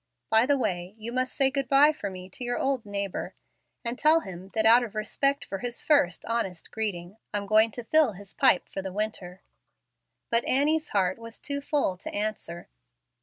By the way, you must say good by for me to your old neighbor, and tell him that out of respect for his first honest greeting, I'm going to fill his pipe for the winter." But Annie's heart was too full to answer.